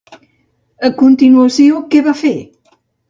A continuació, què va fer?